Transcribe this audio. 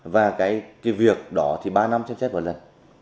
và cái việc đó thì ba năm xem xét một lần